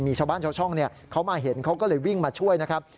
มีชาวบ้านชาวช่องเขามาเห็นเขาก็เลยวิ่งมาช่วยนะครับ